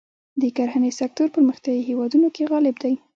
د کرهڼې سکتور پرمختیايي هېوادونو کې غالب دی.